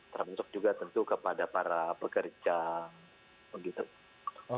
termasuk juga tentu kepada para pekerja begitu